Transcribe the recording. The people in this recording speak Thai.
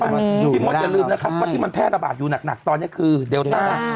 พี่มดอย่าลืมนะครับว่าที่มันแพร่ระบาดอยู่หนักตอนนี้คือเดลต้า